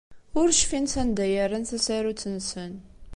Ur cfin sanda ay rran tasarut-nsen.